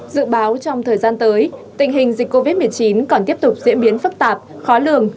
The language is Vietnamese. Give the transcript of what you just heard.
dự báo trong thời gian tới tình hình dịch covid một mươi chín còn tiếp tục diễn biến phức tạp khó lường